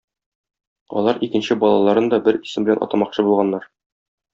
Алар икенче балаларын да бер исем белән атамакчы булганнар.